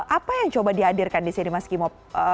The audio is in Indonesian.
apa yang coba dihadirkan disini mas kimo